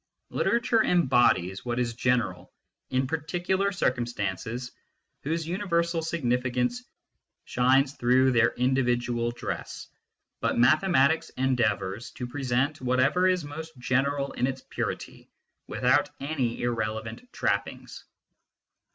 Literature embodies what is general in particular circumstances whose universal significance shines through their individual dress ; but mathematics endeavours to present whatever is most general in its purity, without any irrelevant trappings.